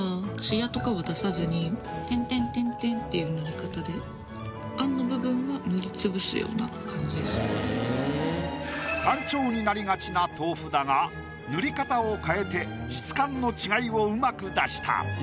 ここの単調になりがちな豆腐だが塗り方を変えて質感の違いを上手く出した。